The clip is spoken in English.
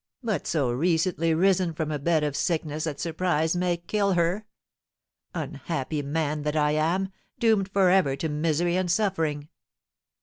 "But so recently risen from a bed of sickness that surprise may kill her! Unhappy man that I am, doomed for ever to misery and suffering!"